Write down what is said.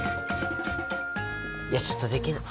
いやちょっとできないかな。